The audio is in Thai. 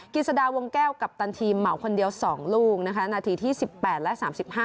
กิจสดาวงแก้วกัปตันทีมเหมาคนเดียว๒ลูกนะคะนาทีที่๑๘และ๓๕